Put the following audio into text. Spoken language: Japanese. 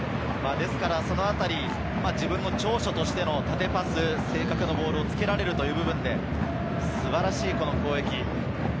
ですからそのあたり、自分の長所としての縦パス、正確なボールということで、素晴らしい攻撃。